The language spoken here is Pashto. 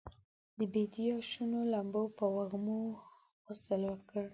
د بیدیا شنو لمنو په وږمو غسل وکړ